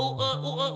dasar cilep banget